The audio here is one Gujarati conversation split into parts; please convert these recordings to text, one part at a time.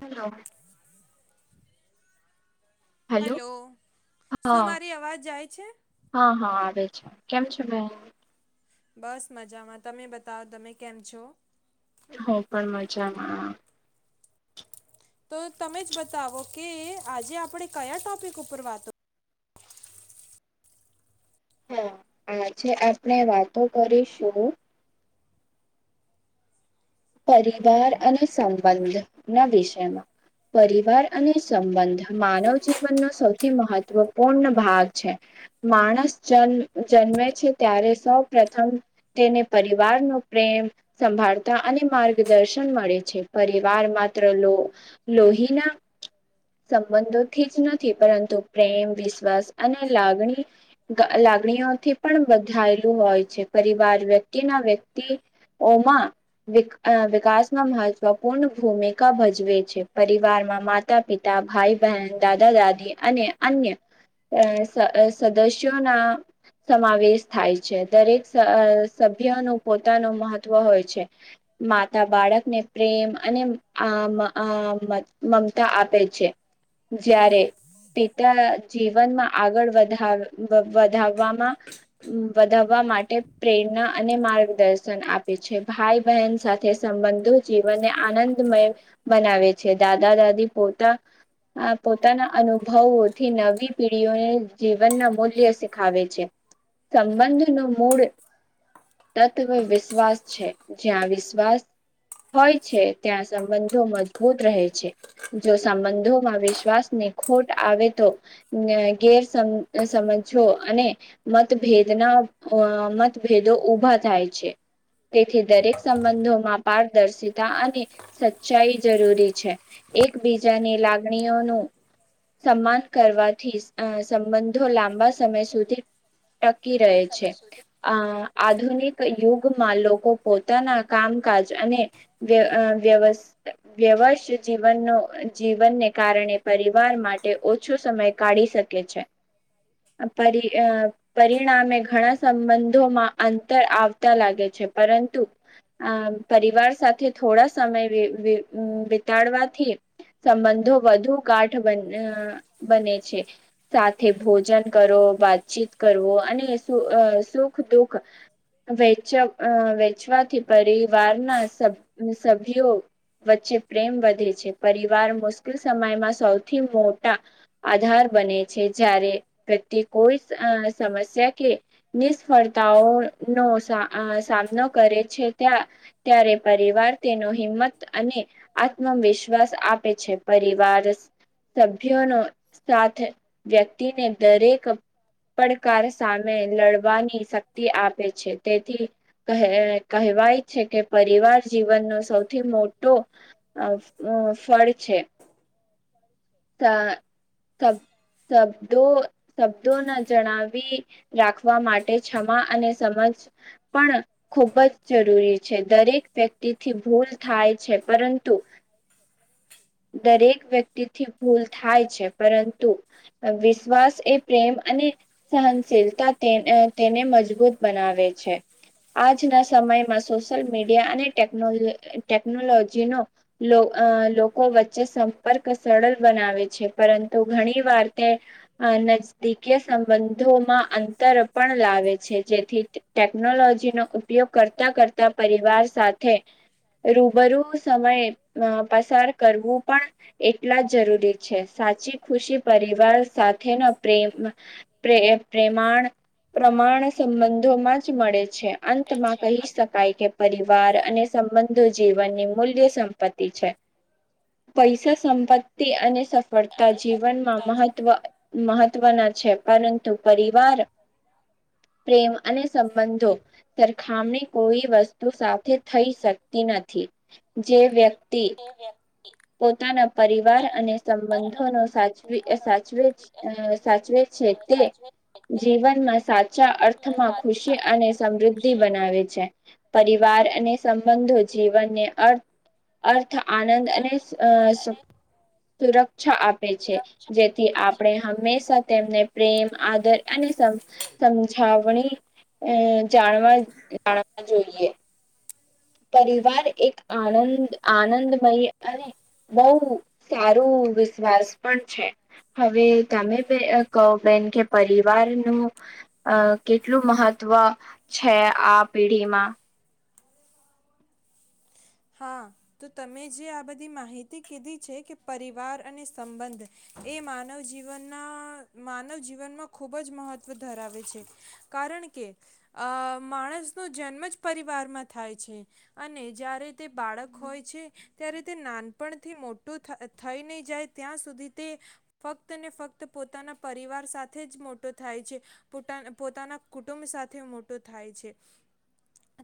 હલો હલો હેલો શું હા મારી અવાજ જાય છે. હા હા આવે છે કેમ છે બેન બસ મજામાં તમે બતા તમે કેમ છો હું પણ મજામાં તો તમે જ બતાવો કે આજે આપણે કયા ટોપિક ઉપર વાતો હા આજે આપણે વાતો કરીશું પરિવાર અને સંબંધ ના વિષયમાં પરિવાર અને સંબંધ માનવ જીવનનો સૌથી મહત્વપૂર્ણ ભાગ છે માણસ જ જન્મે છે ત્યારે સૌ પ્રથમ તેને પરિવારનો પ્રેમ સંભાળતા અને માર્ગદર્શન મળે છે પરિવાર માત્ર લો લોહીના સંબંધોથી જ નથી પરંતુ પ્રેમ વિશ્વાસ અને લાગણી લાગણીઓથી પણ બંધાયેલું હોય છે પરિવાર વ્યક્તિના વ્યક્તિઓમાં અ વિકાસમાં મહત્વપૂર્ણ ભૂમિકા ભજવે છે. પરિવારમાં માતા-પિતા ભાઈ-બહેન દાદા-દાદી અને અન્ય અ સદસ્યોના સમાવેશ થાય છે દરેક સ સભ્યનો પોતાનું મહત્વ હોય છે. માતા બાળકને પ્રેમ અને આમ આ મમતા આપે છે જ્યારે પિતા જીવનમાં આગળ વધા વધવામાં વધાવવા માટે પ્રેરણા અને માર્ગદર્શન આપે છે ભાઈ બહેન સાથે સંબંધો જીવનને આનંદમય બનાવે છે દાદા દાદી પોતા પોતાના અનુભવોથી નવી પીઢીઓને જીવનના મૂલ્ય શીખાવે છે સંબંધ નો મૂળ તત્વ વિશ્વાસ છે જ્યાં વિ હોય છે ત્યાં સંબંધો મજબૂત રહે છે જો સંબંધોમાં વિશ્વાસનીને ખોટ આવે તો ગેર સમજો અને મતભેદના મતભેદો ઊભા થાય છે તેથી દરેક સંબંધોમાં પારદર્શિતા અને સચ્ચાઈ જરૂરી છે એકબીજાની લાગણીઓનું સન્માન કરવાથી સંબંધો લાંબા સમય સુધી ટકી રહે છે આ આધુનિક યુગ લોકો પોતાના કામકાજ અને વ્યવ-વ્યવસ્ જીવનનો-જીવનને કારણે પરિવાર માટે ઓછો સમય કાઢી શકે છે પર-પરિણામે ઘણા સંબંધોમાં અંતર આવતા લાગે છે પરંતુ આમ પરિવાર સાથે થોડા સમય વિતાડવાથી સંબંધો વધુ ગાઠ બને છે સાથે ભોજન કરો વાતચીત કરવો અને સુખ-દુઃખ વચ-વેચવાથી પરિવારના સ સભ્યો વચ્ચે પ્રેમ વધે છે પરિવાર મુશ્કેલ સમયમાં સૌથી મોટા આધાર બને છે જ્યારે વ્યક્તિ કોઈ સમસ્યા કે નિષ્ફળતાઓનો સામનો કરે છે ત્યા ત્યારે પરિવાર તેનો હિંમત અને આત્મવિશ્વાસ આપે છે પરિવાર સભ્યોનો સાથ વ્યક્તિને દરેક પડકાર સામે લડવાની શક્તિ આપે છે તેથી કહે કેહવાય છે કે પરિવાર જીવનનો સૌથી મોટો ફળ છે આહ શબ્દો શબ્દો ને જણાવી રાખવા માટે ક્ષમા અને સમજ પણ ખૂબ જ જરૂરી છે દરેક વ્યક્તિથી ભૂલ થાય છે પરંતુ દરેક વ્યક્તિ ભૂલ થાય છે પરંતુ વિશ્વાસ એ પ્રેમ અને સહનશીલતા તેને મજબૂત બનાવે છે આજના સમયમાં સોસ સોશિયલ મીડિયા અને ટેકનોલોજી નો લોકો વચ્ચે સંપર્ક સરલ બનાવે છે પરંતુ ઘણી વાર તે નજદીકીય સંબંધોમાં અંતર પણ લાવે છે જેથી ટેકનોલોજીનો ઉપયોગ કરતા કરતા પરિ- પરિવાર સાથે રૂબરૂ સમય પસાર કરવું પણ એટલા જ જરૂરી છે સાચી ખુશી પરિવાર સાથેના પ્રેમ પ્રમાણ સંબંધોમાં જ મળે છે અંતમાં કહી શકાય કે પરિવાર અને સંબંધો જીવનની મૂલ્ય સંપત્તિ છે પૈસા સંપત્તિ અને સ સફળતા જીવનમાં મહત્વ મહત્વના છે પરંતુ પરિવાર પ્રેમ અને સંબંધો સરખામણી કોઈ વસ્તુ સાથે થઈ શકતી નથી જે વ્યક્તિ પોતાના પરિવાર અને સંબંધો ને સાચવી સાચ સાચવેજ છે તે જીવનમાં સાચ અર્થમાં ખુશી અને સમૃદ્ધિ બનાવે છે પરિવાર અને સંબંધો જીવનને અર્થ અર્થ આનંદ અને અ સુરક્ષા આપે છે જેથી આપણે હંમેશા તેમને પ્રેમ આદર અને સમ સમજાવણી જાણવા જાણવા જોઈએ પરિવાર એક આનંદ આનંદમય અને બહુ સારું વિશ્વાસ પણ છે હવે તમે કહો બેન કે પરિવારનું કેટલું મહત્વ છે આ પેઢીમાં હા તો તમે જે આ બધી માહિતી કીધી છે કે પરિવાર અને સંબંધ એ માનવ જીવનના માનવ જીવનમાં ખૂબ જ મહત્ત્વ ધરાવે છે કારણ કે અ માણસનો જન્મ જ પરિવારમાં થાય છે અને જ્યારે બાળક હોય છે ત્યારે તે નાનપણથી મોટું થઈ નહી જાય ત્યાં સુધી તે ફક્ત ને ફક્ત પોતાના પરિવાર સાથે જ મોટો થાય છે પો પોતાના કુટુંબ સાથે મોટો થાય છે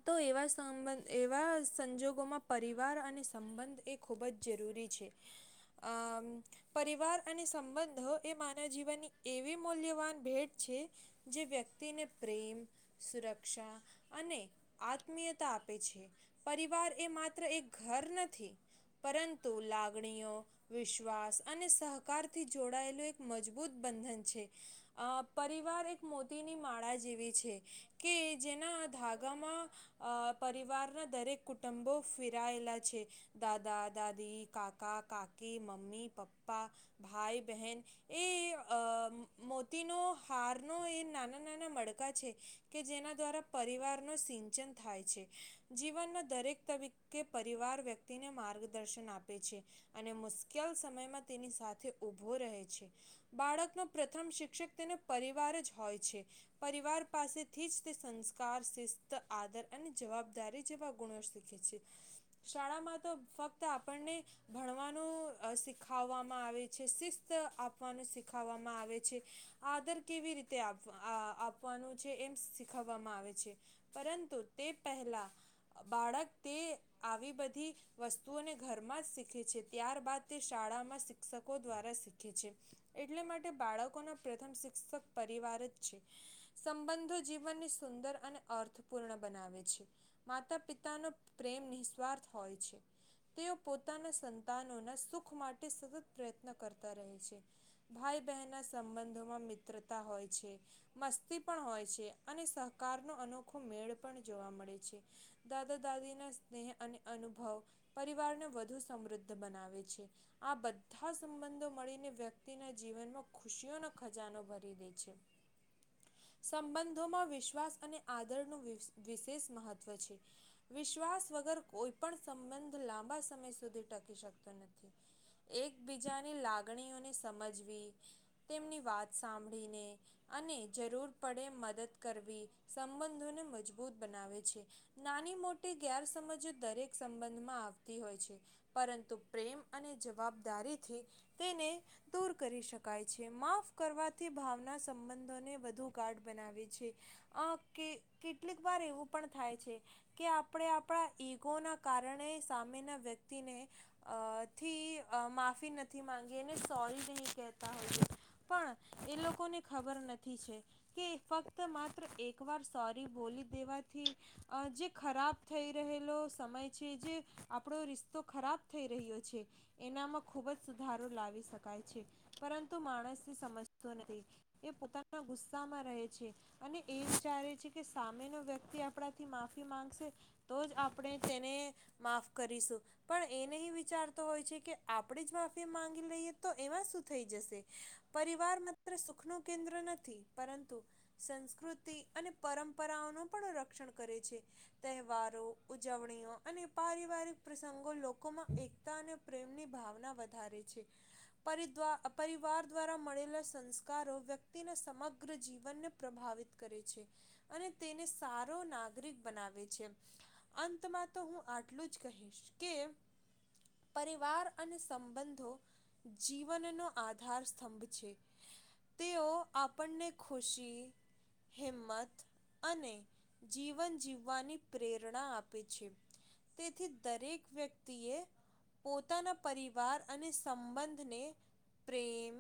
તો એવાબ એવા સંજોગ પરિવાર અને સંબંધ એ ખૂબ જ જરૂરી છે આ પરિવાર અને સંબંધ એ માનવ જીવનની એવી મૂલ્યવાન ભેટ છે જે વ્યક્તિને પ્રેમ સુરક્ષા અને આત્મીયતા આપે છે પરિવાર એમાત્ર એક ઘર નથી પરંતુ લાગણીઓ વિશ્વાસ અને સહકારથી જોડાયેલું એક મજબૂત બંધન છે પરિવાર એક મોતીની માળા જેવી છે કે જેના ધાગામાં પરિવારના દરેક કુ કુટુંબોયલા છે દાદા દાદી કાકા કાકી મમ્મી પપ્પા ભાઈ બહેન એ મોતીનો હારનો એ નાના નાના મણ કા છે કે જેના દ્વારા પરિવાર ન સિંચન થાય છે જીવનમાં દરેક પરિવાર વ્યક્તિને માર્ગદર્શન આપે છે અને મુશ્કેલ સમયમાં તેની સાથે ઉભો રહે છે બાળકનો પ્રથમ શિક્ષક તેને પરિવાર જ હોય છે પરિવાર પાસેથી જ તે સંસ્કાર શિસ્ત આદર અને જવાબદારી જેવા ગુણ શાળામાં તો ફક્ત આપણને ભણવાનું શીખાવવામાં આવે છે શિસ્ત આપવાનું શીખવવામાં આવે છે આદર કેવી રીતે આપવાનું છે એમ શીખવવામાં આવે છે પરંતુ તે પહેલાં બાળક તે આવી બધી વસ્તુઓને ઘરમાં જ શીખે છે ત્યારબાદ તે શાળામાં શિક્ષકો દ્વારા શીખે છે એટલે માટે બાળકોનો પ્રથમ શિક્ષક પરિવાર જ છે સંબંધો જીવનની સુંદર અને અર્થપૂર્ણ બનાવે છે માતા પિતાનો નિસ્વાર્થ હોય છે તેઓ પોતાના સંતાનોના સુખ માટે સતત પ્રયત્ન કરતા રહે છે ભાઈ બહેન ના સંબંધોમાં મિત્રતા હોય છે મસ્તી પણ હોય છે અને સહકારનોો અનોખો મેળ પણ જોવા મળે છે દાદા દાદી ના સ્નેહ અને અનુભવ પરિવારને વધુ સમૃદ્ધ બનાવે છે આ બધા સંબંધો મળીને વ્યક્તિના જીવનમાં ખુશીઓનો ખજાનો ભરી દે છે સંબંધોમાં વિશ્વાસ અને આદર ન વિશેષ મહત્વ છે વિશ્વાસ વગર કોઈ પણ સંબંધ લાંબા સમય સુધી ટકી શકતો નથી એકબીજાની લાગણીઓને સમજવી તેમની વાત સાંભળીને અને જરૂર પડે મદદ કરવી સંબંધોને મજબૂત બનાવે છે નાની મોટી ગેરસમજ દરેક સંબંધમાં આવતી હોય છે પરંતુ પ્રેમ અને જવાબદારીથી તેને દૂર કરી શકાય છે માફ કરવાથી ભાવના સંબંધોને વધુ ગાઢ બનાવે છે કે કેટલીક વાર એવું પણ થાય છે કે આપ આપણે આપણા ઈગોના કારણે સામેના વ્યક્તિનેથી માફી નથી માગી અને સોરી નહીં કહેતા હોઈએ પણ એ લોકોને ખબર નથી છે કે ફક્ત માત્ર એકવાર સોરી બોલી દેવાથી જે ખરાબ થઈ રહેલો સમય છે જે આપણો રિસ્તો ખરાબ થઈ રહ્યો છે એનામાં ખૂબ જ સુધારો લાવી શકાય છે પરંતુ માણસને સમજતો નથી એ પોતાના ગુસ્સામાં રહે છે અને એ વિચારે છે કે સામેનો વ્યક્તિ આપણાથી માફી માંગશે તો જ આપણે તેને માફ કરીશું પણ એ નહીં વિચારતો હોય છે કે આપણે જ માફી મામાંગી લઈએ તો એમાં શું થઈ જશે પરિવાર માત્ર સુખનું કેન્દ્ર નથી પરંતુ સંસ્કૃતિ અને પરંપરાઓનું પણ રક્ષણ કરે છે તહેવાર ઉજવણી અને પારિવારિક પ્રસંગો લોકોમાં એકતા અને પ્રેમની ભાવના વધારે છે પરિવાર દ્વારા મળેલા સંસ્કારો વ્યક્તિના સમગ્ર જીવનને પ્રભાવિત કરે છે અને તેને સારો નાગરિક બનાવે છે અંતમાં તો હું આટલું જ કહીશ કે પરિવાર અને સંબંધો જીવનનોો આધાર સ્તંભ છે તેઓ આપણને ખુશી હિંમત અને જીવન જીવવાની પ્રરણા આપ છે તેથી દરેક વ્યક્તિએ પોતાના પરિવાર અને સંબંધને પ્રેમ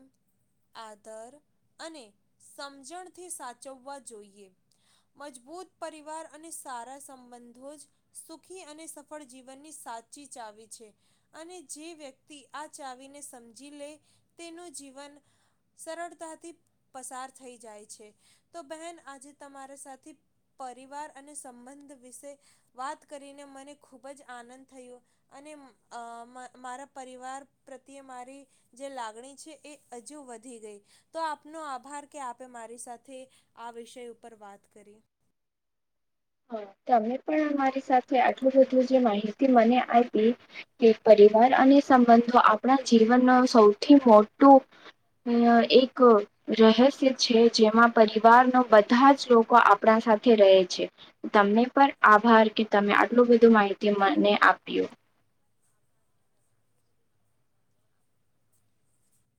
આદર અને સમજણથી સાચવવા જોઈએ મજબૂત પરિવાર અને સારા બંધો સુખી અને સફળ જીવનની સાચી ચાવી છે અને જે વ્યક્તિ આ ચાવીને સમજી લે તેનું જીવન સરળતાથી પસાર થઈ જાય છે તો બહેન આજે તમારા સાથે પરિવાર અને સંબંધ વિશે વાત કરીને મને ખૂબ જ આનંદ થયો અને મારા પરિવાર પ્રત્યે મારી જે લાગણી છે એ હજુ વધી ગઈ તો આપનો આભાર કે આપે મારી સાથે આ વિષય ઉપર વાત કરી હ તમે પણ અમારી સાથે આટલું બધું જે માહિતી મને આપી કે પરિવાર અને સંબંધો આપણા જીવનનો સૌથી મોટું એક રહસ્ય છે જેમાં પરિવાર નો બધા જ લોકો આપણા સાથે રહે છે તમને પર આભાર કે તમે આટલું બધું માહિતી મને આપ્યું